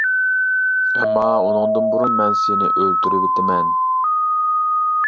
ئەمما، ئۇنىڭدىن بۇرۇن مەن سېنى ئۆلتۈرۈۋېتىمەن.